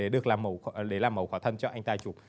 để làm mẫu qua thân cho anh ta chụp